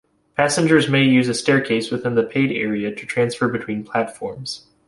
Passengers may use a staircase within the paid area to transfer between platforms.